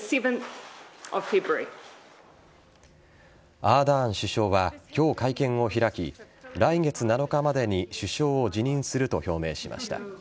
アーダーン首相は今日、会見を開き来月７日までに首相を辞任すると表明しました。